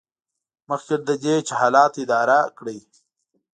مخکې له دې چې حالات اداره کړئ.